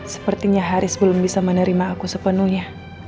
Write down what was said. sepertinya haris belum bisa menerima aku sepenuhnya